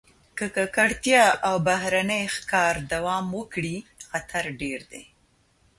که ککړتیا او بهرني ښکار دوام وکړي، خطر ډېر دی.